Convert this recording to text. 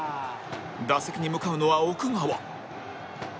打席に向かうのは奥川